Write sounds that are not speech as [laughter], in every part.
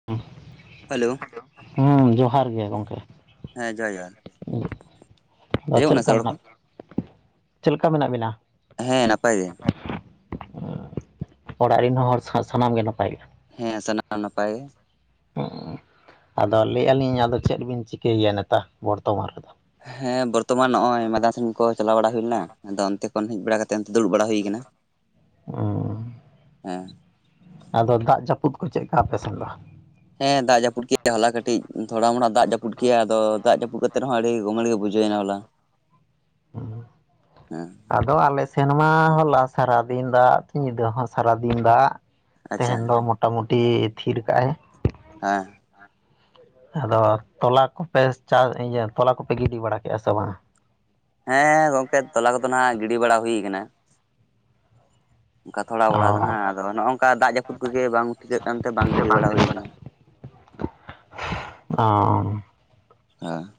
[unintelligible] Hello. Hello, ᱦᱢ ᱡᱚᱦᱟᱨ ᱜᱮ ᱜᱚᱢᱠᱮ ᱦᱮᱸ ᱡᱚᱦᱟᱨ ᱡᱚᱦᱟᱨ ᱾ ᱟᱫᱚ ᱟᱸᱡᱚᱢᱚᱜ ᱠᱟᱱᱟ ᱥᱮ ᱪᱮᱫᱞᱮᱠᱟ ᱨᱚᱲ ᱠᱚ ᱢᱮᱱᱟᱜ ᱪᱮᱫᱞᱮᱠᱟ ᱢᱮᱱᱟᱜ ᱵᱤᱱᱟ? ᱦᱮᱸ ᱱᱟᱯᱟᱭ ᱜᱮ ᱾ ᱚᱲᱟᱜ ᱨᱮᱱ ᱦᱚᱸ ᱦᱚᱲ ᱥᱟᱱᱟᱢ ᱜᱮ ᱱᱟᱯᱟᱭ ᱜᱮ ᱾ ᱦᱮᱸ ᱥᱟᱱᱟᱢ ᱱᱟᱯᱟᱭ ᱜᱮ ᱾ ᱦᱢ ᱟᱫᱚ ᱞᱟᱹᱭ ᱟᱞᱤᱧ ᱟᱫᱚ ᱪᱮᱫ ᱵᱤᱱ ᱪᱤᱠᱟᱹᱭᱮᱭᱟ ᱱᱮᱛᱟᱨ ᱵᱚᱨᱛᱚᱢᱟᱱ ᱨᱮᱫᱚ? ᱦᱮᱸ ᱵᱚᱨᱛᱚᱢᱟᱱ ᱱᱚᱜᱼᱚᱭ ᱢᱮᱭᱫᱟᱱ ᱥᱮᱱ ᱠᱚ ᱪᱟᱞᱟᱣ ᱵᱟᱲᱟ ᱦᱩᱭ ᱞᱮᱱᱟ ᱟᱫᱚ ᱚᱱᱛᱮ ᱠᱷᱚᱱ ᱦᱮᱡ ᱵᱟᱲᱟ ᱠᱟᱛᱮ ᱚᱱᱛᱮ ᱫᱩᱲᱩᱵ ᱵᱟᱲᱟ ᱦᱩᱭ ᱟᱠᱟᱱᱟ ᱾ ᱦᱢᱢ ᱾ [unintelligible] ᱟᱫᱚ ᱫᱟᱜ ᱡᱟᱹᱯᱩᱫ ᱠᱚ ᱪᱮᱫᱠᱟ ᱟᱯᱮ ᱥᱮᱱ ᱫᱚ? ᱦᱮᱸ ᱫᱟᱜ ᱡᱟᱹᱯᱩᱫ ᱠᱮᱫ-ᱟᱭ ᱦᱚᱞᱟ ᱠᱟᱹᱴᱤᱡ ᱛᱷᱚᱲᱟ ᱢᱚᱲᱟ ᱫᱟᱜ ᱡᱟᱹᱯᱩᱫ ᱠᱮᱫ-ᱟᱭ ᱟᱫᱚᱼᱼ ᱫᱟᱜ ᱡᱟᱹᱯᱩᱫ ᱠᱟᱛᱮ ᱦᱚᱸ ᱟᱹᱰᱤ ᱜᱚᱢᱮᱲ ᱜᱮ ᱵᱩᱡᱷᱟᱹᱣᱱᱟ ᱦᱚᱞᱟᱼ ᱦᱮᱸ ᱾ ᱟᱫᱚ ᱟᱞᱮ ᱥᱮᱱᱢᱟ ᱦᱚᱞᱟ ᱥᱟᱨᱟᱫᱤᱱ ᱫᱟᱜ ᱧᱤᱫᱟᱹ ᱦᱚᱸ ᱥᱟᱨᱟᱫᱤᱱ ᱫᱟᱜ ᱾ ᱟᱪᱪᱷᱟ ᱛᱮᱦᱮᱧ ᱫᱚ ᱢᱚᱴᱟᱢᱩᱴᱤ ᱛᱷᱤᱨ ᱠᱟᱜ-ᱟᱭ ᱾ ᱦᱮᱸ᱾ ᱟᱫᱚ ᱛᱚᱞᱟ ᱠᱚᱯᱮ ᱪᱟᱥ ᱤᱭᱟᱹ ᱛᱚᱞᱟ ᱠᱚᱯᱮ ᱜᱤᱰᱤ ᱵᱟᱲᱟ ᱠᱮᱫᱼᱟ ᱥᱮ ᱵᱟᱝᱟ? ᱦᱮᱸ ᱜᱚᱝᱠᱮ ᱛᱚᱞᱟ ᱠᱚᱫᱚ ᱱᱟᱜ ᱜᱤᱰᱤ ᱵᱟᱲᱟ ᱦᱩᱭ ᱠᱟᱱᱟ ᱾ ᱚᱱᱠᱟ ᱛᱷᱚᱲᱟ ᱚ ᱵᱚᱲᱟ ᱫᱚ ᱱᱟᱜ ᱟᱫᱚ ᱱᱚᱜᱼᱠᱟ ᱫᱟᱜ ᱡᱟᱹᱯᱩᱫ ᱠᱚᱜᱮ ᱵᱟᱝ ᱴᱷᱤᱠᱟᱹᱜ ᱠᱟᱱᱛᱮ ᱵᱟᱝ ᱜᱤᱰᱤ ᱵᱟᱲᱟ ᱦᱩᱭ ᱟᱠᱟᱱᱟ᱾ ᱚᱸ᱾ ᱦᱮᱸ᱾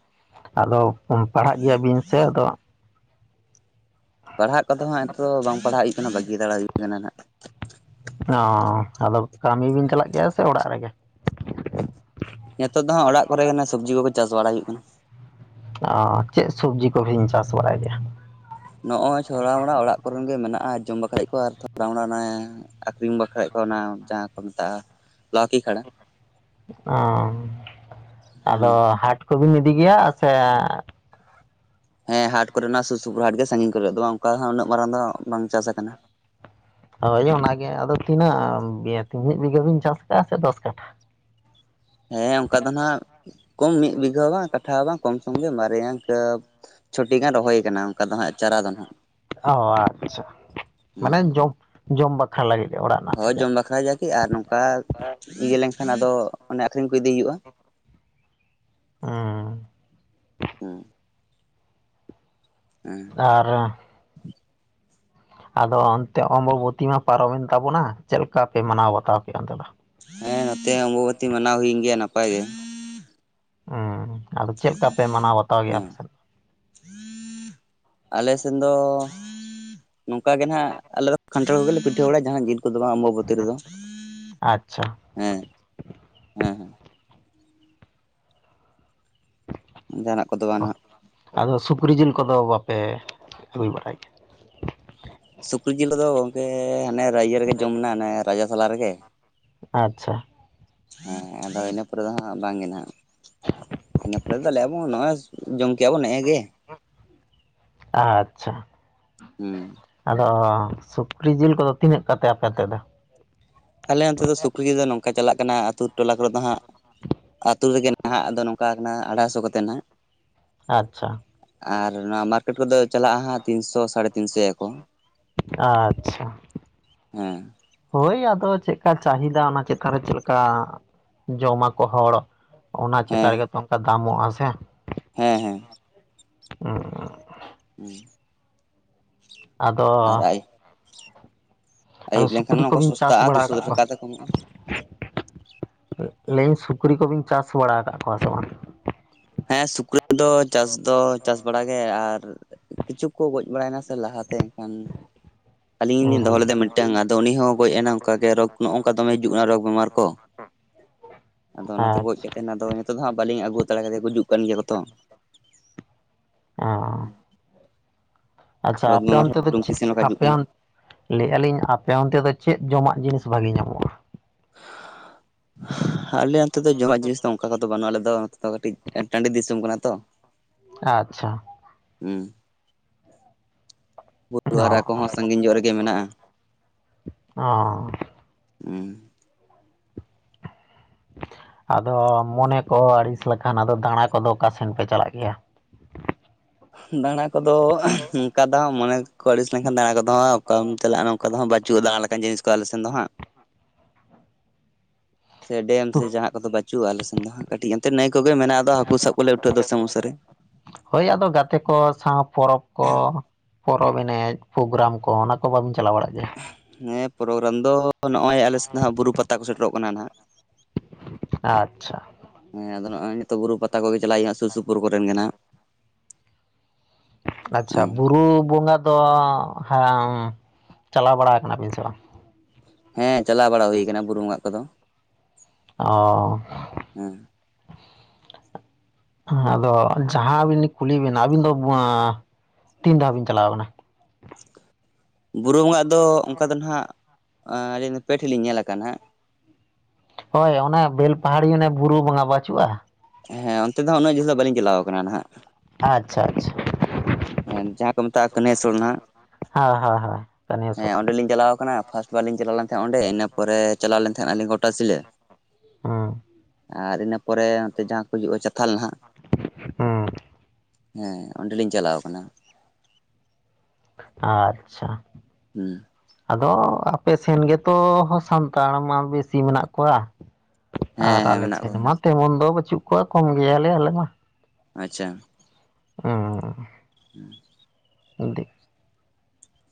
ᱟᱫᱚ ᱯᱟᱲᱦᱟᱜ ᱜᱮᱭᱟ ᱵᱤᱱ ᱥᱮ ᱟᱫᱚ ᱯᱟᱲᱦᱟᱜ ᱠᱚᱫᱚ ᱦᱟᱸᱜ ᱮᱛᱚ ᱫᱚ ᱵᱟᱝ ᱯᱟᱲᱦᱟᱜ ᱦᱩᱭᱩᱜ ᱠᱟᱱᱟ ᱵᱟᱹᱜᱤ ᱫᱟᱲᱟ ᱠᱟᱱᱟ ᱦᱟᱸᱜ ᱾ ᱚᱸ ᱟᱫᱚ ᱠᱟᱹᱢᱤ ᱵᱤᱱ ᱪᱟᱞᱟᱜ ᱜᱮᱭᱟ ᱥᱮ ᱚᱲᱟᱜ ᱨᱮᱜᱮ? ᱱᱤᱛᱚᱜ ᱫᱚ ᱦᱟᱜ ᱚᱲᱟᱜ ᱠᱚᱨᱮ ᱜᱮ ᱱᱚ ᱥᱚᱵᱽᱡᱤ ᱠᱚᱜᱮ ᱪᱟᱥ ᱵᱟᱲᱟᱭ ᱦᱩᱭᱩᱜ ᱠᱟᱱᱟ ᱾ ᱪᱮᱫ ᱥᱚᱵᱡᱤ ᱠᱚᱵᱮᱱ ᱪᱟᱥ ᱵᱟᱲᱟᱭ ᱜᱮᱭᱟ? ᱱᱚᱜᱼᱚᱸᱭ ᱪᱷᱚᱲᱟ ᱢᱚᱲᱟ ᱚᱲᱟᱜ ᱠᱚᱨᱮᱱ ᱜᱮ ᱢᱮᱱᱟᱜᱼᱟ ᱡᱚᱢ ᱵᱟᱠᱷᱨᱟᱡᱽ ᱠᱚᱣᱟ ᱟᱨ ᱛᱷᱚᱲᱟ ᱢᱚᱲᱟ ᱚᱱᱮ ᱟᱹᱠᱷᱨᱤᱧ ᱵᱟᱠᱷᱨᱟᱡ ᱠᱚᱣᱟ ᱚᱱᱟ ᱡᱟᱦᱟᱸ ᱠᱚ ᱢᱮᱛᱟᱜᱼᱟ ᱞᱟᱣᱠᱤ ᱠᱷᱟᱲᱟ [unintelligible] ᱚᱸ ᱦᱩᱸ ᱟᱫᱚ ᱦᱟᱴ ᱠᱚᱵᱤᱱ ᱤᱫᱤ ᱜᱮᱭᱟ ᱥᱮ ᱦᱮᱸ ᱦᱟᱴ ᱠᱚᱨᱮᱱᱟᱜ ᱥᱩᱨ ᱥᱩᱯᱩᱨ ᱦᱟᱴ ᱜᱮ ᱥᱟᱺᱜᱤᱧ ᱠᱚᱨᱮ ᱫᱚ ᱵᱟᱝ ᱚᱱᱠᱟ ᱦᱚᱸ ᱩᱱᱟᱹᱜ ᱢᱟᱨᱟᱝ ᱫᱚ ᱵᱟᱝ ᱪᱟᱥ ᱟᱠᱟᱱᱟ᱾ ᱦᱳᱭ ᱚᱱᱟᱜᱮ ᱟᱫᱚ ᱛᱤᱱᱟᱹᱜ ᱢᱤᱫ ᱵᱤᱜᱷᱟᱹ ᱵᱤᱱ ᱪᱟᱥ ᱠᱟᱜᱼᱟ ᱥᱮ ᱫᱚᱥ ᱠᱟᱴᱷᱟ? ᱦᱮᱸ ᱚᱱᱠᱟ ᱫᱚ ᱱᱟᱦᱟᱜ ᱠᱚᱢ ᱢᱤᱫ ᱵᱤᱜᱷᱟᱹ ᱦᱚᱸ ᱵᱟᱝ ᱠᱟᱴᱷᱟ ᱦᱚᱸ ᱵᱟᱝ ᱠᱚᱢ ᱥᱚᱢ ᱜᱮ ᱢᱟᱨᱮ ᱤᱝᱠᱟ ᱪᱷᱚᱴᱤ ᱜᱟᱱ ᱨᱚᱦᱚᱭ ᱟᱠᱟᱱᱟ ᱚᱱᱠᱟ ᱫᱚ ᱦᱟᱜ ᱪᱟᱨᱟ ᱫᱚ ᱱᱟᱦᱟᱜ ᱚ ᱟᱪᱪᱷᱟ ᱦᱩᱸ ᱢᱟᱱᱮ ᱦᱩᱸ᱾ ᱡᱚᱢ ᱡᱚᱢ ᱵᱟᱠᱷᱨᱟ ᱞᱟᱹᱜᱤᱫ ᱜᱮ ᱚᱲᱟᱜ ᱨᱮᱱᱟᱜ ᱥᱮ ᱦᱳᱭ ᱪᱮᱫ ᱡᱚᱢ ᱵᱟᱠᱷᱨᱟᱭ ᱜᱤᱭᱟ ᱠᱤ ᱟᱨ ᱱᱚᱝᱠᱟ ᱤᱭᱟᱹ ᱞᱮᱱᱠᱷᱟᱱ ᱟᱫᱚ ᱚᱱᱮ ᱟᱠᱷᱨᱤᱧ ᱠᱚ ᱤᱫᱤ ᱦᱩᱭᱩᱜᱼᱟ ᱦᱩᱸ ᱦᱩ᱾ ᱦᱩᱸ᱾ ᱟᱨ ᱟᱫᱚ ᱚᱱᱛᱮ ᱚᱢᱵᱚᱵᱚᱛᱤ ᱢᱟ ᱯᱟᱨᱚᱢᱮᱱ ᱛᱟᱵᱚᱱᱟ ᱪᱮᱫ ᱞᱮᱠᱟ ᱯᱮ ᱢᱟᱱᱟᱣ ᱵᱟᱛᱟᱣ ᱠᱮᱫᱼᱟ ᱚᱱᱛᱮ ᱫᱚ? ᱦᱮᱸ ᱱᱚᱛᱮ ᱦᱚᱸ ᱚᱢᱵᱚᱵᱚᱛᱤ ᱢᱟᱱᱟᱣ ᱦᱩᱭᱮᱱ ᱜᱮᱭᱟ ᱱᱟᱯᱟᱭ ᱜᱮ᱾ ᱦᱩᱸ ᱟᱫᱚ ᱪᱮᱫ ᱞᱮᱠᱟ ᱯᱮ ᱢᱟᱱᱟᱣ ᱵᱟᱛᱟᱣ ᱜᱮᱭᱟ ᱦᱮᱸ ᱟᱯᱮᱥᱮᱫ? ᱟᱞᱮ ᱥᱮᱱ ᱫᱚ ᱱᱚᱝᱠᱟ ᱜᱮ ᱱᱟᱦᱟᱜ ᱟᱞᱮ ᱫᱚ ᱠᱷᱟᱱᱴᱷᱟᱲ ᱠᱚᱜᱮᱞᱮ ᱯᱤᱴᱷᱟᱹ ᱵᱟᱲᱟᱭᱟ ᱡᱟᱦᱟᱸ ᱡᱤᱞ ᱠᱚᱫᱚ ᱵᱟᱝ ᱚᱢᱵᱚᱵᱚᱛᱤ ᱨᱮᱫᱚ᱾ ᱟᱪᱪᱷᱟ᱾ ᱦᱮᱸ ᱦᱮᱸ ᱦᱮᱸ᱾ ᱡᱟᱦᱟᱱᱟᱜ ᱠᱚᱫᱚ ᱵᱟᱝ ᱱᱟᱦᱟᱜ᱾ ᱟᱫᱚ ᱥᱩᱠᱨᱤ ᱡᱤᱞ ᱠᱚᱫᱚ ᱵᱟᱯᱮ ᱟᱹᱜᱩ ᱵᱟᱲᱟᱭ ᱜᱮᱭᱟ? ᱥᱩᱠᱨᱤ ᱡᱤᱞ ᱠᱚᱫᱚ ᱜᱚᱝᱠᱮ ᱦᱟᱱᱮ ᱨᱟᱹᱭ ᱤᱭᱟᱹ ᱨᱮᱜᱮ ᱡᱚᱢᱱᱟ ᱟᱱᱮ ᱨᱟᱡᱟ ᱥᱟᱞᱟ ᱨᱮᱜᱮ᱾ ᱟᱪᱪᱷᱟ᱾ ᱦᱮᱸ ᱟᱫᱚ ᱤᱱᱟᱹ ᱯᱚᱨᱮ ᱫᱚ ᱦᱟᱸᱜ ᱵᱟᱝᱜᱮ ᱱᱟᱦᱟᱜ᱾ ᱤᱱᱟᱹ ᱯᱚᱨᱮ ᱫᱚ ᱞᱟᱹᱭᱮᱜ-ᱟ ᱵᱚᱱ ᱱᱚᱜᱼᱚᱸᱭ ᱡᱚᱢ ᱠᱮᱜᱼᱟ ᱵᱚᱱ ᱱᱮᱜ ᱮ ᱜᱮ᱾ ᱟᱪᱪᱷᱟ᱾ ᱦᱩᱸ ᱾ ᱟᱫᱚ ᱥᱩᱠᱨᱤ ᱡᱤᱞ ᱠᱚᱫᱚ ᱛᱤᱱᱟᱹᱜ ᱠᱟᱛᱮᱫ ᱟᱯᱮ ᱛᱮᱫ ᱫᱚ? ᱟᱞᱮ ᱚᱱᱛᱮ ᱫᱚ ᱥᱩᱠᱨᱤ ᱫᱚ ᱱᱚᱝᱠᱟ ᱪᱟᱞᱟᱜ ᱠᱟᱱᱟ ᱟᱹᱛᱩ ᱴᱚᱞᱟ ᱠᱚᱨᱮ ᱫᱚ ᱦᱟᱸᱜ ᱟᱹᱛᱩ ᱨᱮᱜᱮ ᱱᱟᱦᱟᱜ ᱫᱚ ᱱᱚᱝᱠᱟ ᱠᱟᱱᱟ ᱟᱲᱟᱭᱥᱚ ᱠᱟᱛᱮᱫ ᱱᱟᱦᱚᱼᱜ᱾ ᱟᱪᱪᱷᱟ᱾ ᱟᱨ ᱱᱚᱣᱟ ᱢᱟᱨᱠᱮᱴ ᱠᱚᱫᱚ ᱪᱟᱞᱟᱜᱼᱟ ᱦᱟᱸᱜ ᱛᱤᱱᱥᱚ ᱥᱟᱲᱮ ᱛᱤᱱᱥᱚ᱾ ᱟᱪᱪᱷᱟ᱾ ᱦᱮᱸ ᱦᱳᱭ ᱟᱫᱚ ᱪᱮᱫᱠᱟ ᱪᱟᱦᱤᱫᱟ ᱚᱱᱟ ᱪᱮᱛᱟᱱ ᱨᱮ ᱪᱮᱫ ᱞᱮᱠᱟ ᱡᱚᱢᱟᱠᱚ ᱦᱚᱲ ᱚᱱᱟ ᱪᱮᱛᱟᱱ ᱦᱮᱸ ᱨᱮᱜᱮ ᱛᱚ ᱚᱱᱠᱟ ᱫᱟᱢᱚᱜᱼᱟ ᱥᱮ ᱾ ᱦᱮᱸ ᱦᱮᱸ ᱾ ᱩ ᱩ [unintelligible] ᱟᱫᱚ ᱟᱨ ᱟᱭ ᱟᱫᱚ ᱟᱹᱭᱩᱵ ᱞᱮᱱᱠᱷᱟᱱ ᱥᱩᱠᱨᱤ ᱚᱱᱟ ᱠᱚ ᱠᱚᱵᱤᱱ ᱪᱟᱥ ᱥᱚᱥᱛᱟᱜᱼᱟ ᱵᱟᱲᱟ ᱫᱩᱥᱚ ᱟᱠᱟᱜ ᱠᱚᱣᱟ? ᱴᱟᱠᱟ ᱛᱮ ᱠᱚᱢᱚᱜᱼᱟ ᱞᱟᱹᱤᱧ ᱥᱩᱠᱨᱤ ᱠᱚᱵᱤᱱ ᱪᱟᱥ ᱵᱟᱲᱟ ᱠᱟᱜ ᱠᱚᱣᱟ ᱥᱮ ᱵᱟᱝ? ᱦᱮᱸ ᱥᱩᱠᱨᱤ ᱫᱚ ᱪᱟᱥ ᱫᱚ ᱪᱟᱥ ᱵᱟᱲᱟ ᱜᱮ ᱟᱨ ᱠᱤᱪᱷᱩ ᱠᱚ ᱜᱚᱡ ᱵᱟᱲᱟᱭᱱᱟ ᱥᱮ ᱞᱟᱦᱟᱛᱮ ᱮᱱᱠᱷᱟᱱ, ᱟᱹᱞᱤᱧ ᱞᱤᱧ ᱫᱚᱦᱚ ᱦᱩᱸ᱾ ᱞᱮᱫᱟ ᱭᱟ ᱢᱤᱫ ᱢᱤᱫᱴᱟᱝ ᱟᱫᱚ ᱩᱱᱤ ᱦᱚᱸ ᱜᱚᱡ ᱮᱱᱟ ᱚᱱᱠᱟ ᱜᱮ ᱨᱳᱜ ᱱᱚᱝᱠᱟ ᱫᱚᱢᱮ ᱦᱤᱡᱩᱜ ᱠᱟᱱᱟ ᱨᱳᱜᱽᱵᱤᱢᱟᱨ ᱠᱚ ᱾ ᱟᱫᱚ ᱚᱱᱟᱛᱮ ᱜᱚᱡ ᱟᱪᱪᱷᱟ ᱠᱟᱛᱮᱱ ᱟᱫᱚᱭ ᱱᱤᱛᱚᱜ ᱫᱚ ᱦᱟᱸᱜ ᱵᱟᱹᱞᱤᱧ ᱟᱹᱜᱩ ᱫᱟᱲᱮ ᱠᱟᱫᱮᱭᱟ ᱜᱩᱡᱩᱜ ᱠᱟᱱ ᱜᱮᱭᱟ ᱠᱚ ᱛᱚ ᱾ ᱚᱻ ᱟᱪᱪᱷᱟ ᱨᱳᱜᱽ ᱟᱯᱮ ᱵᱮᱢᱟᱨ ᱦᱚᱸ ᱚᱱᱛᱮ ᱫᱚ ᱴᱩᱝᱠᱤ ᱪᱮᱫ ᱥᱮᱱ ᱞᱮᱠᱟ ᱦᱤᱡᱩᱜ ᱟᱯᱮᱚᱱ ᱠᱟᱱᱟ ᱞᱟᱹᱭᱮᱫᱼᱟ ᱞᱤᱧ ᱟᱯᱮ ᱚᱱᱛᱮ ᱫᱚ ᱪᱮᱫ ᱡᱚᱢᱟᱜ ᱡᱤᱱᱤᱥ ᱵᱷᱟᱜᱤ ᱧᱟᱢᱚᱜᱼᱟ? ᱟᱞᱮ ᱱᱚᱱᱛᱮ ᱫᱚ ᱡᱚᱢᱟᱜ ᱡᱤᱱᱤᱥ ᱫᱚ ᱚᱱᱠᱟ ᱠᱚᱫᱚ ᱵᱟᱹᱱᱩᱜᱼᱟ, ᱟᱞᱮ ᱫᱚ ᱠᱟᱹᱴᱤᱡ ᱴᱟᱺᱰᱤ ᱫᱤᱥᱚᱢ ᱠᱟᱱᱟ ᱛᱚ᱾ ᱟᱪᱪᱷᱟ ᱾ ᱦᱩᱸ ᱚ [unintelligible] ᱠᱚᱦᱚᱸ ᱥᱟᱺᱜᱤᱧ ᱧᱚᱜ ᱨᱮᱜᱮ ᱢᱮᱱᱟᱜᱼᱟ᱾ ᱚ ᱟᱫᱚ ᱢᱚᱱᱮ ᱠᱚᱦᱚᱸ ᱟᱹᱲᱤᱥ ᱞᱮᱠᱷᱟᱱ ᱟᱫᱚ ᱫᱟᱬᱟ ᱠᱚᱫᱚ ᱚᱠᱟ ᱥᱮᱱ ᱯᱮ ᱪᱟᱞᱟᱜ ᱜᱮᱭᱟ? ᱫᱟᱬᱟ ᱠᱚᱫᱚ ᱚᱱᱠᱟ ᱫᱚ ᱦᱟᱸᱜ ᱢᱚᱱᱮ ᱠᱚ ᱟᱹᱲᱤᱥ ᱞᱮᱱᱠᱷᱟᱱ ᱫᱟᱬᱟ ᱠᱚᱫᱚ ᱦᱟᱸᱜ ᱚᱠᱟᱢ ᱪᱟᱞᱟᱜᱼᱟ, ᱱᱚᱝ ᱚᱠᱟ ᱫᱚ ᱦᱟᱸᱜ ᱵᱟᱹᱪᱩᱜᱼᱟ‌ ᱫᱟᱬᱟ ᱞᱮᱠᱟ ᱡᱤᱱᱤᱥ ᱠᱚ ᱟᱞᱮᱥ ᱥᱮᱫ ᱫᱚ ᱦᱟᱸᱜ᱾ [inaudible] ᱥᱮ ᱰᱮᱢ ᱥᱮ ᱛᱩ- ᱡᱟᱦᱟᱸ ᱠᱚᱫᱚ ᱵᱟᱪᱩᱜᱼᱟ ᱟᱞᱮ ᱥᱮᱱ ᱫᱚ ᱠᱟᱹᱴᱤᱡ ᱮᱱᱛᱮ ᱱᱟᱹᱭ ᱠᱚᱜᱮ ᱢᱮᱱᱟᱜᱼᱟ ᱫᱚ ᱦᱟᱹᱠᱩ ᱥᱟᱵ ᱠᱚᱞᱮ ᱩᱴᱷᱟᱹᱜ ᱫᱚᱥᱮ ᱢᱟᱥᱮ ᱨᱮ ᱾ ᱦᱳᱭ ᱟᱫᱚ ᱜᱟᱛᱮ ᱠᱚ ᱥᱟᱸᱣ ᱯᱚᱨᱚᱵᱽ ᱠᱚ᱾ ᱯᱚᱨᱚᱵᱽ ᱮᱱᱮᱡ ᱯᱨᱳᱜᱨᱟᱢ ᱠᱚ ᱚᱱᱟ ᱠᱚ ᱵᱟᱵᱤᱱ ᱪᱟᱞᱟᱣ ᱵᱟᱲᱟᱜ ᱜᱮᱭᱟ? ᱦᱮᱸ ᱯᱨᱳᱜᱨᱟᱢ ᱫᱚ ᱱᱚᱜᱼᱚᱭ ᱟᱞᱮ ᱥᱮᱫ ᱫᱚ ᱦᱟᱸᱜ ᱵᱩᱨᱩ ᱯᱟᱛᱟ ᱠᱚ ᱥᱮᱴᱮᱨᱚᱜ ᱠᱟᱱᱟ ᱱᱟᱚᱸᱼᱜ᱾ ᱟᱪᱪᱷᱟ᱾ ᱦᱮᱸ ᱟᱫᱚ ᱱᱚᱜᱼᱚᱭ ᱱᱤᱛᱚᱜ ᱵᱩᱨᱩ ᱯᱟᱛᱟ ᱠᱚᱜᱮ ᱪᱟᱞᱟᱜ ᱦᱩᱭᱩᱜᱼᱟ ᱥᱩᱨ ᱥᱩᱯᱩᱨ ᱠᱚᱨᱮ ᱢᱮᱱᱟᱜ᱾ [inaudible] ᱟᱪᱪᱷᱟ, ᱵᱩᱨᱩ ᱵᱚᱸᱜᱟ ᱫᱚ ᱦᱮᱸ ᱪᱟᱞᱟᱣ ᱵᱟᱲᱟ ᱠᱟᱱᱟ ᱵᱤᱱ ᱥᱮ ᱵᱟᱝ? ᱦᱮᱸ ᱪᱟᱞᱟᱣ ᱵᱟᱲᱟ ᱦᱩᱭ ᱠᱟᱱᱟ ᱵᱩᱨᱩ ᱵᱚᱸᱜᱟ ᱠᱚᱫᱚ᱾ ᱚᱻ ᱦᱮᱸ [unintelligible] ᱟᱫᱚ ᱡᱟᱦᱟᱸᱵᱤᱱ ᱠᱩᱞᱤ ᱵᱤᱱᱟ ᱟᱹᱵᱤᱱ ᱫᱚ ᱛᱤᱱ ᱫᱷᱟᱣ ᱵᱤᱱ ᱪᱟᱞᱟᱣ ᱠᱟᱱᱟ? ᱵᱩᱨᱩ ᱵᱚᱸᱜᱟᱜ ᱫᱚ ᱚᱱᱠᱟ ᱫᱚ ᱱᱟᱦᱟᱜ ᱟᱹᱞᱤᱧ ᱫᱚ ᱯᱮ ᱴᱷᱮᱡ ᱞᱤᱧ ᱧᱮᱞ ᱟᱠᱟᱱᱟ ᱦᱟᱸᱜ᱾ ᱦᱳᱭ ᱚᱱᱟ ᱵᱮᱞᱯᱟᱦᱟᱲᱤ ᱚᱱᱮ ᱵᱩᱨᱩ ᱵᱚᱸᱜᱟ ᱵᱟᱹᱪᱩᱜᱼᱟ? ᱦᱮᱸ ᱚᱱᱛᱮ ᱫᱚ ᱩᱱᱟᱹᱜ ᱡᱷᱟᱹᱞ ᱫᱚ ᱵᱟᱹᱞᱤᱧ ᱪᱟᱞᱟᱣ ᱠᱟᱱᱟ ᱱᱟᱦᱟᱜ᱾ ᱟᱪᱪᱷᱟ ᱟᱪᱪᱷᱟ, [inaudible] ᱦᱮᱸ ᱡᱟᱦᱟᱸ ᱠᱚ ᱢᱮᱛᱟᱜᱼᱟ ᱠᱟᱱ ᱥᱚᱨᱱᱟ᱾ ᱦᱳᱸ ᱦᱳᱸ ᱦᱳᱸ᱾ ᱦᱮᱸ ᱚᱸᱰᱮᱞᱤᱧ ᱪᱟᱞᱟᱣ ᱠᱟᱱᱟ ᱯᱷᱟᱥᱴ ᱵᱟᱨ ᱞᱤᱧ ᱪᱟᱞᱟᱣ ᱞᱮᱱ ᱛᱟᱦᱮᱸᱫ ᱚᱸᱰᱮ ᱤᱱᱟᱹ ᱯᱚᱨᱮ ᱪᱟᱞᱟᱣ ᱞᱮᱱ ᱛᱟᱦᱮᱸᱱᱟ ᱟᱹᱞᱤᱧ ᱜᱚᱴᱟ ᱥᱤᱞᱟᱹ᱾ ᱦᱩᱸ ᱟᱨ ᱤᱱᱟᱹ ᱯᱚᱨᱮ ᱱᱚᱛᱮ ᱡᱟᱦᱟᱸ ᱠᱚ ᱦᱤᱡᱩᱜᱼᱟ ᱪᱟᱛᱷᱟᱞ ᱱᱟᱦᱟᱜ ᱦᱩᱸ [inaudible] ᱦᱮᱸ ᱚᱸᱰᱮᱞᱤᱧ ᱪᱟᱞᱟᱣ ᱠᱟᱱᱟ᱾ ᱟᱪᱪᱷᱟ᱾ ᱦᱩᱸ᱾ ᱟᱫᱚ ᱟᱯᱮ ᱥᱮᱱ ᱜᱮᱛᱚ ᱦᱚᱸ ᱥᱟᱱᱛᱟᱲ ᱢᱟ ᱵᱮᱥᱤ ᱢᱮᱱᱟᱜ ᱠᱚᱣᱟ, ᱦᱮᱸ ᱟᱨ ᱦᱮᱸ ᱟᱞᱮ ᱢᱮᱱᱟᱜ ᱥᱮᱱ ᱠᱚᱣᱟ ᱢᱟ ᱛᱮᱢᱚᱱ ᱫᱚ ᱵᱟᱹᱪᱩᱜ ᱠᱚᱣᱟ ᱠᱚᱢ ᱜᱮᱭᱟᱞᱮ ᱟᱞᱮ ᱢᱟ᱾ ᱟᱪᱪᱷᱟ᱾ ᱩᱸᱜᱻ [unintelligible]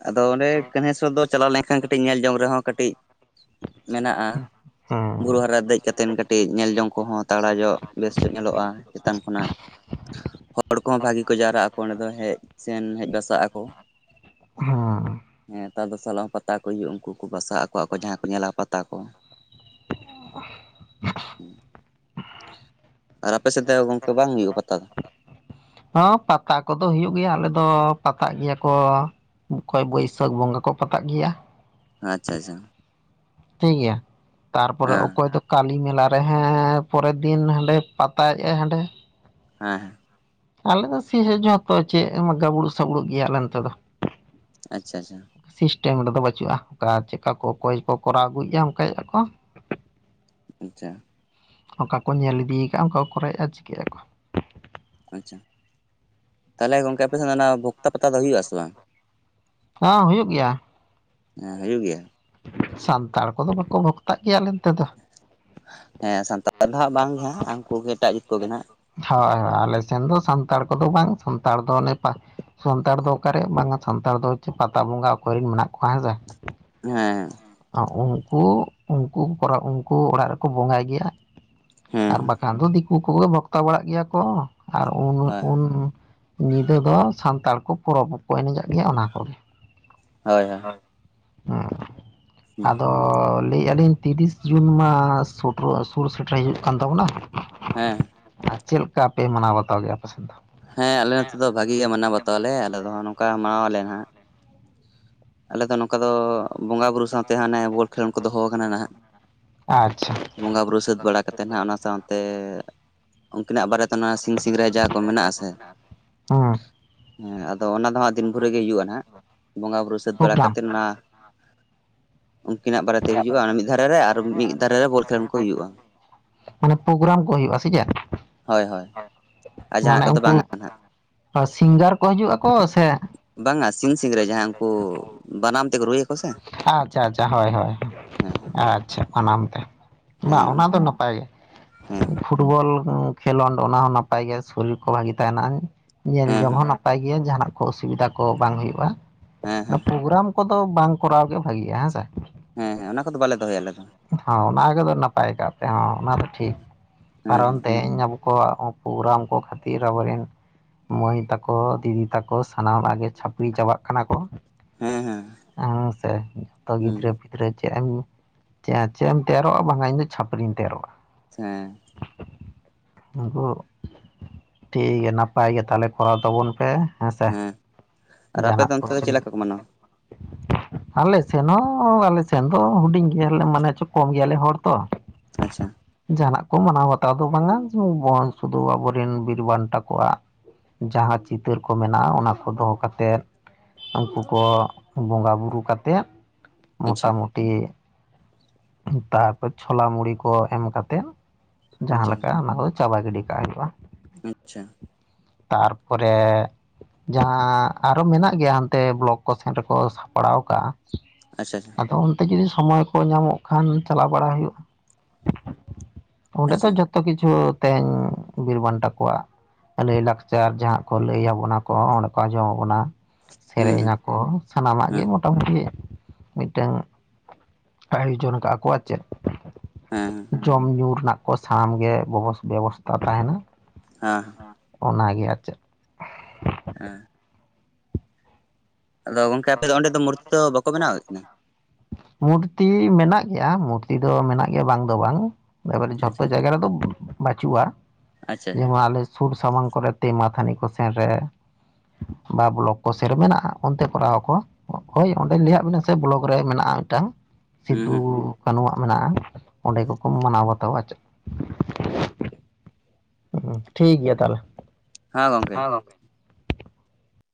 ᱟᱫᱚ ᱚᱸᱰᱮ ᱠᱟᱸᱦᱮᱥ ᱨᱮᱫᱚ ᱪᱟᱞᱟᱣ ᱞᱮᱱᱠᱷᱟᱱ ᱠᱟᱹᱴᱤᱡ ᱧᱮᱞ ᱡᱚᱝ ᱨᱮᱦᱚᱸ ᱠᱟᱹᱴᱤᱡ, [inaudible] ᱢᱮᱱᱟᱜᱼᱟ᱾ ᱵᱩᱨᱩ ᱦᱩᱸ ᱦᱟᱨᱟ ᱫᱮᱡ ᱠᱟᱛ ᱛᱮᱱ ᱠᱟᱹᱴᱤᱡ ᱧᱮᱞ ᱡᱚᱝ ᱠᱚᱦᱚᱸ ᱛᱟᱲᱟ ᱧᱚᱜ ᱵᱮᱥ ᱧᱮᱞᱚᱜᱼᱟ ᱪᱮᱛᱟᱱ ᱠᱷᱚᱱᱟᱜ, ᱦᱚᱲ ᱠᱚᱦᱚᱸ ᱵᱷᱟᱜᱤ ᱠᱚ ᱡᱟᱣᱨᱟᱜ ᱟᱠᱚ ᱚᱸᱰᱮ ᱫᱚ ᱦᱮᱡ ᱥᱮᱱ ᱦᱮᱡ ᱵᱟᱥᱟᱜ ᱟᱠᱚ᱾ ᱦᱩᱜᱻ ᱦᱮᱸ ᱛᱟᱨ ᱫᱚᱥᱟᱨ ᱞᱟᱜ [unintelligible] ᱦᱚᱸ ᱯᱟᱛᱟ ᱠᱚ ᱦᱩᱭᱩᱜᱼᱟ ᱩᱱᱠᱩ ᱠᱚ ᱵᱟᱥᱟᱜ ᱟᱠᱚ ᱠᱚ ᱡᱟᱦᱟᱸᱭ ᱠᱚ ᱧᱮᱞᱟ ᱯᱟᱛᱟ ᱠᱚ᱾ [unintelligible] ᱦᱩ, [inaudible] ᱟᱨ ᱟᱯᱮ ᱥᱮᱫ ᱫᱚ ᱜᱚᱢᱠᱮ ᱵᱟᱝ ᱦᱩᱭᱩᱜᱼᱟ ᱯᱟᱛᱟ ᱫᱚ? ᱦᱚᱸ ᱯᱟᱛᱟ ᱠᱚᱫᱚ ᱦᱩᱭᱩᱜ ᱜᱮᱭᱟ ᱟᱞᱮ ᱫᱚ ᱯᱟᱛᱟᱜ ᱜᱮᱭᱟ ᱠᱚ, ᱚᱠᱚᱭ ᱟᱪᱪᱷᱟ ᱟᱪᱪᱷᱟ ᱵᱟᱹᱭᱥᱟᱹᱠᱷ ᱵᱚᱸᱜᱟ ᱠᱚ ᱯᱟᱛᱟᱜ ᱜᱮᱭᱟ ᱟᱪᱪᱷᱟ ᱦᱮᱸ [inaudible] ᱴᱷᱤᱠ ᱜᱮᱭᱟ ᱦᱮᱸ ᱛᱟᱨᱯᱚᱨᱮ ᱚᱠᱚᱭ ᱫᱚ, ᱠᱟᱞᱤ ᱢᱮᱞᱟ ᱨᱮᱦᱚᱸ ᱯᱚᱨᱮᱨ ᱫᱤᱱ ᱦᱟᱸᱰᱮ ᱯᱟᱛᱟᱮᱟᱭ ᱦᱟᱸᱰᱮ᱾ ᱦᱮᱸ ᱦᱮᱸ᱾ ᱟᱞᱮ ᱥᱮᱜ ᱦᱮᱸ ᱡᱷᱚᱛᱚ ᱪᱮᱫ ᱮᱢᱚ ᱜᱟᱵᱲᱩ ᱥᱟᱵᱩᱲᱩᱜ ᱜᱮᱭᱟ ᱟᱞᱮ ᱱᱮᱛ ᱫᱚ, ᱟᱪᱪᱷᱟ ᱟᱪᱪᱷᱟ᱾ ᱥᱤᱥᱴᱮᱢ ᱨᱮᱫᱚ ᱵᱟᱹᱪᱩᱜ-ᱟ ᱚᱠᱟ ᱪᱮᱫᱠᱟ ᱠᱚ ᱚᱠᱚᱭ ᱠᱚ ᱠᱚᱨᱟᱣ ᱟᱹᱜᱩᱭᱮᱫᱭᱟ ᱚᱱᱠᱟᱭ ᱮᱭᱟ ᱠᱚ, [inaudible] ᱟᱪᱪᱷᱟ᱾ ᱚᱠᱟ ᱠᱚ ᱧᱮᱞ ᱤᱫᱤ ᱠᱟᱜᱼᱟ᱾ ᱟᱠᱟ ᱠᱚᱨᱮ ᱪᱤᱠᱟᱹᱜ ᱟᱠᱚ, ᱟᱪᱪᱷᱟ ᱛᱟᱦᱚᱞᱮ ᱜᱚᱝᱠᱮ ᱟᱯᱮ ᱥᱮᱫ ᱚᱱᱟ ᱵᱷᱚᱠᱛᱟ ᱯᱟᱛᱟ ᱫᱚ ᱦᱩᱭᱩᱜ ᱟᱥᱮ ᱵᱟᱝ? ᱦᱚᱸ ᱦᱩᱭᱩᱜ ᱜᱮᱭᱟ᱾ ᱦᱮᱸ ᱦᱩᱭᱩᱜ ᱜᱮᱭᱟ ᱾ ᱥᱟᱱᱛᱟᱲ ᱠᱚᱫᱚ ᱵᱟᱠᱚ ᱵᱷᱚᱠᱛᱟᱜ ᱜᱮᱭᱟ ᱟᱞᱮ ᱱᱛᱮ ᱫᱚ, ᱦᱮᱸ ᱥᱟᱱᱛᱟᱲ ᱫᱚ ᱦᱟᱸᱜ ᱵᱟᱝᱜᱮ ᱦᱟᱸᱜ ᱩᱱᱠᱩ ᱜᱮ ᱮᱴᱟᱜ ᱡᱟᱹᱛ ᱠᱚᱜᱮ ᱦᱟᱸᱜ᱾ ᱦᱚᱭ ᱦᱚᱭ ᱟᱞᱮ ᱥᱮᱱ ᱫᱚ ᱥᱟᱱᱛᱟᱲ ᱠᱚᱫᱚ ᱵᱟᱝ ᱥᱟᱱᱛᱟᱲ ᱫᱚ ᱚᱱᱮ ᱯᱟ ᱥᱟᱱᱛᱟᱲ ᱫᱚ, ᱚᱠᱟᱨᱮ ᱵᱟᱝ ᱥᱟᱱᱛᱟᱲ ᱫᱚ ᱪᱮᱫ ᱯᱟᱛᱟ ᱵᱚᱸᱜᱟ ᱚᱠᱭ ᱨᱮᱱ ᱢᱮᱱᱟᱜ ᱠᱚ ᱠᱷᱟᱱ ᱨᱮ, ᱦᱮᱸ᱾ ᱟᱸ ᱩᱱᱠᱩ ᱩᱱᱠᱩ ᱠᱚᱨᱮ ᱩᱱᱠᱩ ᱚᱲᱟᱜ ᱨᱮᱠᱚ ᱵᱚᱸᱜᱟᱭ ᱜᱮᱭᱟ᱾ ᱦᱮᱸ ᱟᱨ ᱵᱟᱠᱷᱟᱱ ᱫᱚ ᱫᱤᱠᱩ ᱠᱚᱜᱮ ᱵᱷᱚᱠᱛᱟ ᱵᱟᱲᱟᱜ ᱜᱮᱭᱟ ᱠᱚ, ᱟᱨ ᱩᱱ ᱦᱳᱭ ᱩᱱ ᱧᱤᱫᱟᱹ ᱫᱚ ᱥᱟᱱᱛᱟᱲ ᱠᱚ ᱯᱚᱨᱟᱵᱽ ᱦᱚᱠᱚ ᱮᱱᱮᱡ ᱜᱮᱭᱟ ᱚᱱᱟ ᱠᱚᱜᱮ᱾ ᱦᱳᱭ ᱦᱳᱭ᱾ ᱦᱳᱭ ᱦᱩᱸ ᱟᱫᱚ- ᱚ ᱞᱟᱹᱭᱟᱜ-ᱟ ᱞᱤᱧ ᱛᱤᱨᱤᱥ ᱡᱩᱱ ᱢᱟ ᱥᱳᱴᱨᱳ ᱥᱩᱞ ᱥᱮᱴᱮᱨ ᱦᱤᱡᱩᱜ ᱠᱟᱱ ᱛᱟᱵᱚᱱᱟ᱾ ᱦᱮᱸ ᱟᱨ ᱪᱮᱫ ᱞᱮᱠᱟ ᱯᱮ ᱢᱟᱱᱟᱣ ᱵᱟᱛᱟᱣ ᱜᱮᱭᱟ ᱟᱯᱮ ᱥᱮᱱ ᱫᱚ᱾ ᱦᱮᱸ ᱟᱞᱮ ᱱᱚᱛᱮ ᱫᱚ ᱵᱷᱟᱜᱤ ᱜᱮ ᱢᱟᱱᱟᱣ ᱵᱟᱛᱟᱣᱟᱞᱮ ᱟᱞᱮ ᱫᱚ ᱱᱚᱝᱠᱟ ᱢᱟᱱᱟᱣᱟᱞᱮ ᱦᱟᱸᱜ᱾ ᱟᱞᱮ ᱫᱚ ᱱᱚᱝᱠᱟ ᱫᱚ ᱵᱚᱸᱜᱟ ᱵᱩᱨᱩ- ᱥᱟᱶᱛᱮ ᱦᱟᱱᱮ ᱵᱚᱞ ᱠᱷᱮᱞᱳᱰ ᱠᱚ ᱫᱚᱦᱚ ᱠᱟᱱᱟ ᱱᱟᱦᱟᱜ᱾ ᱟᱪᱪᱷᱟ ᱵᱚᱸᱜᱟ ᱵᱩᱨᱩ ᱥᱟᱹᱛ ᱵᱟᱲᱟ ᱠᱟᱛᱮ ᱱᱟᱜ ᱚᱱᱟ ᱥᱟᱶ- ᱛᱮ ᱩᱱᱠᱤᱱᱟᱜ ᱵᱟᱨᱮᱛᱮ ᱱᱚᱣᱟ ᱥᱤᱧ ᱥᱤᱝᱨᱟᱹᱭ ᱡᱟ ᱠᱚ ᱢᱮᱱᱟᱜ ᱟᱥᱮ᱾ ᱦᱩᱸ ᱦᱮᱸ ᱟᱫᱚ ᱚᱱᱟ ᱫᱚ ᱦᱟᱸᱜ ᱫᱤᱱ ᱵᱷᱳᱨᱮ ᱜᱮ ᱦᱩᱭᱩᱜ-ᱟ ᱱᱟᱦᱟᱜ ᱵᱚᱸᱜᱟ ᱵᱩᱨᱩ ᱥᱟᱹᱛ- ᱵᱟᱲᱟ ᱯᱨᱳᱜᱨᱟᱢ ᱠᱟᱛᱮᱫ ᱚᱱᱟ᱾ ᱩᱱᱠᱤᱱᱟᱜ ᱵᱟᱨᱮᱛᱮ ᱦᱤᱡᱩᱜ-ᱟ, ᱚᱱᱟ ᱢᱤᱫ ᱫᱷᱟᱨᱮ ᱨᱮ ᱟᱨ ᱢᱤᱫ ᱫᱷᱟᱨᱮ ᱨᱮ ᱵᱚᱞ ᱠᱷᱮᱞᱚᱱ ᱠᱚ ᱦᱩᱭᱩᱜ-ᱟ᱾ ᱢᱟᱱᱮ ᱯᱨᱳᱜᱨᱟᱢ ᱠᱚ ᱦᱩᱭᱩᱜ-ᱟ ᱥᱮ ᱪᱮᱫ? ᱦᱳᱭ ᱦᱳᱭ᱾ ᱟᱨ ᱡᱟᱦᱟᱱᱟᱜ ᱢᱟᱱᱮ ᱠᱚᱫᱚ ᱩᱱᱠᱩ ᱵᱟᱝᱟ ᱥᱤᱝᱜᱟᱨ ᱠᱚ ᱦᱤᱡᱩᱜ ᱟᱠᱚ ᱥᱮ- ᱵᱟᱝᱟ ᱥᱤᱧ ᱥᱤᱝᱨᱟᱹᱭ ᱡᱟᱦᱟᱸᱭ ᱩᱱᱠᱩ ᱵᱟᱱᱟᱢ ᱛᱮᱠᱚ ᱨᱩᱭᱟ ᱠᱚ ᱥᱮ᱾ ᱟᱪᱪᱷᱟ ᱟᱪᱪᱷᱟ ᱦᱳᱭ ᱦᱳᱭ ᱦᱮᱸ ᱟᱪᱪᱷᱟ ᱵᱟᱱᱟᱢ ᱛᱮ᱾ ᱵᱟᱝ ᱚᱱᱟ ᱦᱮᱸ ᱫᱚ ᱱᱟᱯᱟᱭ ᱜᱮ ᱦᱮᱸ ᱯᱷᱩᱴᱵᱚᱞ- ᱯᱷᱩᱴᱵᱚᱞ ᱦᱚᱸ ᱠᱷᱮᱞᱳᱰ ᱚᱱᱟ ᱦᱚᱸ ᱱᱟᱯᱟᱭ ᱜᱮᱭᱟ ᱥᱚᱨᱤᱨ ᱠᱚ ᱵᱷᱟᱜᱮ ᱛᱟᱦᱮᱱᱟ᱾ ᱧᱮᱞ ᱦᱮᱸ ᱡᱚᱝ ᱦᱮᱸ ᱦᱚᱸ ᱱᱟᱯᱟᱭ ᱜᱮᱭᱟ ᱡᱟᱦᱟᱱᱟᱜ- ᱚᱥᱩᱵᱤᱫᱷᱟ ᱠᱚ ᱵᱟᱝ ᱦᱩᱭᱩᱜ-ᱟ᱾ ᱦᱮᱸ ᱚᱱᱟ ᱦᱮᱸ ᱯᱨᱳᱜᱨᱟᱢ ᱠᱚᱫᱚ ᱵᱟᱝ ᱠᱚᱨᱟᱣ ᱜᱮ ᱵᱷᱟᱜᱤᱜ-ᱟ ᱦᱮᱸ ᱥᱮ᱾ ᱦᱮᱸ ᱦᱮᱸ ᱚᱱᱟ ᱠᱚᱫᱚ ᱵᱟᱞᱮ ᱫᱚᱦᱚᱭᱟ ᱟᱞᱮ ᱫᱚ᱾ ᱦᱚᱸ ᱚᱱᱟ ᱠᱚᱫᱚ ᱱᱟᱯᱟᱭ ᱠᱟᱜ ᱛᱮ ᱦᱚᱸ ᱚᱱᱟ ᱫᱚ ᱴᱷᱤᱠ ᱦᱮᱸ ᱠᱟᱨᱚᱱ ᱦᱮᱸ ᱛᱮᱦᱮᱧ ᱟᱵᱚ- ᱠᱚᱣᱟᱜ ᱦᱚᱸ ᱯᱨᱳᱜᱨᱟᱢ ᱠᱚ ᱠᱷᱟᱹᱛᱤᱨ ᱟᱵᱚᱨᱮᱱ- ᱢᱟᱹᱭ ᱛᱟᱠᱚ ᱫᱤᱫᱤ ᱛᱟᱠᱚ ᱥᱟᱱᱟᱢᱟᱜ ᱜᱮ ᱪᱷᱟᱹᱯᱨᱤ ᱪᱟᱵᱟᱜ ᱠᱟᱱᱟ ᱠᱚ᱾ ᱦᱮᱸ ᱦᱮᱸ ᱦᱮᱸ ᱥᱮ ᱡᱚᱛᱚ ᱜᱤ- ᱦᱩᱸ ᱜᱤᱫᱽᱨᱟᱹ ᱪᱮᱫ ᱮᱢ ᱪᱮᱫ ᱮᱢ ᱛᱮᱭᱟᱨᱚᱜ-ᱟ ᱵᱟᱝᱠᱷᱟᱱ ᱤᱧ ᱫᱚ ᱪᱷᱟᱹᱯᱨᱤᱧ ᱛᱮᱭᱟᱨᱚᱜ-ᱟ᱾ ᱦᱮᱸ᱾ ᱟᱵᱚ᱾ ᱴᱷᱤᱠ ᱜᱮᱭᱟ ᱱᱟᱯᱟᱭ ᱜᱮ ᱛᱟᱦᱞᱮ ᱠᱚᱨᱟᱣ ᱛᱟᱵᱚᱱ ᱯᱮ᱾ ᱦᱮᱸ ᱥᱮ ᱟᱨ ᱟᱯᱮ ᱡᱟᱦᱟᱱᱟᱜ ᱫᱚ ᱚᱱᱛᱮ ᱠᱚᱥᱴᱚ ᱫᱚ ᱪᱮᱫ ᱡᱚᱫᱤ ᱞᱮᱠᱟ ᱠᱚ ᱢᱟᱱᱟᱣᱟ [unintelligible] ᱟᱞᱮ ᱥᱮᱱ ᱦᱚᱸ- ᱚ ᱟᱞᱮ ᱥᱮᱱ ᱫᱚ ᱦᱩᱰᱤᱧ ᱜᱮᱭᱟᱞᱮ ᱢᱟᱱᱮ ᱪᱚ ᱠᱚᱢ ᱜᱮᱭᱟᱞᱮ ᱦᱚᱲ ᱛᱚ᱾ ᱟᱪᱪᱷᱟ᱾ ᱡᱟᱦᱟᱱᱟᱜ ᱠᱚ ᱢᱟᱱᱟᱣ ᱵᱟᱛᱟᱣ ᱫᱚ ᱵᱟᱝᱟ ᱵᱚᱦᱟᱱ ᱥᱩᱫᱷᱩ ᱟᱵᱚᱨᱮᱱ ᱵᱤᱨ ᱵᱟᱱᱴᱟ ᱠᱚᱣᱟᱜ- ᱡᱟᱦᱟᱸᱨ ᱪᱤᱛᱟᱹᱨ ᱠᱚ ᱢᱮᱱᱟᱜᱼᱟ ᱚᱱᱟ ᱠᱚᱫᱚ ᱠᱟᱛᱮᱫ- ᱩᱱᱠᱩ ᱠᱚ ᱵᱚᱸᱜᱟ ᱵᱩᱨᱩ ᱠᱟᱛᱮᱫ᱾ ᱟᱪᱪᱷᱟ ᱢᱚᱴᱟᱢᱩᱴᱤ ᱛᱟᱨᱯᱚᱨ ᱪᱷᱚᱞᱟ ᱢᱩᱲᱤ ᱠᱚ ᱮᱢ ᱠᱟᱛᱮᱜ- ᱡᱟᱦᱟᱸ ᱟᱪᱪᱷᱟ ᱞᱮᱠᱟ ᱚᱱᱟ ᱠᱚᱫᱚ ᱪᱟᱵᱟ ᱜᱤᱰᱤ ᱠᱟᱜ ᱦᱩᱭᱩᱜᱼᱟ᱾ ᱟᱪᱪᱷᱟ᱾ ᱛᱟᱨᱯᱚᱨᱮ- ᱡᱟᱦᱟᱸ ᱟᱨᱚ ᱢᱮᱱᱟᱜ ᱜᱮᱭᱟ ᱦᱟᱱᱛᱮ ᱵᱞᱚᱠ ᱠᱚ ᱥᱮᱱ ᱨᱮᱠᱚ ᱥᱟᱯᱲᱟᱣ ᱟᱠᱟᱜ-ᱟ᱾ ᱟᱪᱪᱷᱟ ᱪᱪᱷᱟ᱾ ᱟᱫᱚ ᱚᱱᱛᱮ ᱡᱩᱫᱤ ᱥᱚᱢᱚᱭ ᱠᱚ ᱧᱟᱢᱚᱜ ᱠᱷᱟᱱ ᱪᱟᱞᱟᱣ ᱵᱟᱲᱟ ᱦᱩᱭᱩᱜ-ᱟ᱾ ᱚᱸᱰᱮ ᱫᱚ ᱟᱪᱪᱷᱟ ᱡᱷᱚᱛᱚ ᱠᱤᱪᱷᱩ ᱛᱮᱦᱮᱧ ᱵᱤᱨ ᱵᱟᱱᱴᱟ ᱠᱚᱣᱟ- ᱞᱟᱹᱭ-ᱞᱟᱠᱪᱟᱨ ᱡᱟᱦᱟᱸ ᱠᱚ ᱞᱟᱹᱭᱟ ᱵᱚᱱᱟ ᱠᱚ ᱚᱸᱰᱮ ᱠᱚ ᱟᱸᱡᱚᱢ ᱟᱵᱚᱱᱟ᱾ ᱦᱩᱸ ᱥᱮᱨᱮᱧ ᱦᱩᱸ ᱟᱠᱚ ᱥᱟᱱᱟᱢᱟᱜ ᱜᱮ ᱦᱮᱸ ᱢᱚᱴᱟᱢᱩᱴᱤ ᱢᱤᱜᱴᱟᱹᱝ ᱟᱭᱳᱡᱚᱱ ᱠᱟᱜ-ᱟ ᱠᱚ ᱟ ᱪᱮᱫ ᱦᱮᱸ ᱡᱚᱢ ᱧᱩ ᱨᱮᱱᱟᱜ ᱠᱚ ᱥᱟᱱᱟᱢ ᱜᱮ ᱵᱮᱵᱚᱥ ᱵᱮᱵᱚᱥᱛᱟ ᱛᱟᱦᱮᱱᱟ᱾ ᱦᱮᱸ ᱚᱱᱟᱜᱮ ᱟᱨ ᱪᱮᱫ᱾ ᱮᱸ ᱟᱫᱚ ᱜᱚᱝᱠᱮ ᱟᱯᱮ ᱫᱚ ᱚᱸᱰᱮ ᱫᱚ ᱢᱩᱨᱛᱤ ᱫᱚ ᱵᱟᱠᱚ ᱵᱮᱱᱟᱣ ᱠᱟᱜ ᱠᱤᱱᱟᱹ? ᱢᱩᱨᱛᱤ ᱢᱮᱱᱟᱜ ᱜᱮᱭᱟ ᱢᱩᱨᱛᱤ ᱫᱚ ᱢᱮᱱᱟᱜ ᱜᱮᱭᱟ ᱵᱟᱝ ᱫᱚ ᱵᱟᱝ, ᱮᱵᱟᱨᱮ ᱡᱷᱚᱛᱚ ᱟᱪᱪᱷᱟ ᱡᱟᱭᱜᱟ ᱨᱮᱫᱚ ᱵᱟᱪᱩᱜ-ᱟ ᱟᱪᱪᱷᱟ ᱡᱮᱢᱚᱱ ᱟᱞᱮ ᱥᱩᱨ ᱥᱟᱢᱟᱝ ᱠᱚᱨᱮ ᱛᱮ ᱢᱟᱛᱷᱟᱹᱱᱤ ᱠᱚ ᱥᱮᱱᱨᱮ ᱵᱟ ᱵᱞᱚᱠ ᱠᱚ ᱥᱮᱱᱨᱮ ᱢᱮᱱᱟᱜ-ᱟ ᱚᱱᱛᱮ ᱠᱚᱨᱟᱶ ᱟᱠᱚᱶᱟ ᱦᱳᱭ ᱚᱸᱰᱮᱧ ᱞᱟᱹᱭ ᱟᱜ ᱵᱤᱱᱟ ᱥᱮ ᱵᱞᱚᱠ ᱨᱮ ᱢᱮᱱᱟᱜ-ᱟ ᱢᱤᱫᱴᱟᱝ ᱦᱩᱸ ᱥᱤᱫᱩ ᱦᱩᱸ ᱠᱟᱹᱱᱩᱣᱟᱜ ᱢᱮᱱᱟᱜ-ᱟ ᱚᱸᱰᱮ ᱠᱚᱠᱚ ᱢᱟᱱᱟᱣ ᱵᱟᱛᱟᱣᱟ ᱟ ᱪᱮᱫ᱾ ᱦᱩ ᱴᱷᱤᱠ ᱜᱮᱭᱟ ᱛᱟᱦᱞᱮ᱾ ᱦᱮᱸ ᱜᱚᱝᱠᱮ